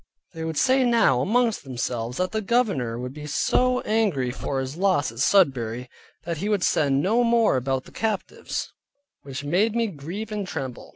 They would say now amongst themselves, that the governor would be so angry for his loss at Sudbury, that he would send no more about the captives, which made me grieve and tremble.